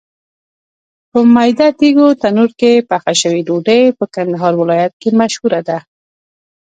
په میده تېږو تنور کې پخه شوې ډوډۍ په کندهار ولایت کې مشهوره ده.